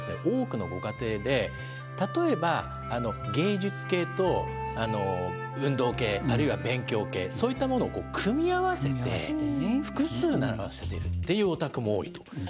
多くのご家庭で例えば芸術系と運動系あるいは勉強系そういったものを組み合わせて複数習わせているっていうお宅も多いと。